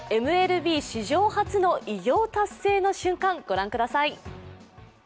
ＭＬＢ史上初の偉業達成の瞬間、御覧ください。